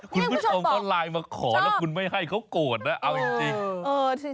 คุณผู้ชมก็ไลน์มาขอแล้วคุณไม่ให้เขาโกรธนะเอาจริง